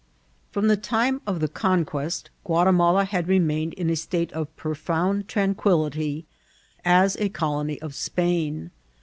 From the time of the conquest Guatimala had re mained in a state of profound tranquillity as a colony of Spain.